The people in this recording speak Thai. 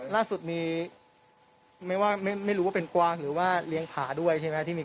ล่าสุดมีไม่ว่าไม่รู้ว่าเป็นกวางหรือว่าเลี้ยงผาด้วยใช่ไหมที่มี